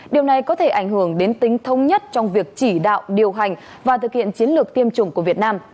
điều này có thể ảnh hưởng đến tính thống nhất trong việc chỉ đạo điều hành và thực hiện chiến lược tiêm chủng của việt nam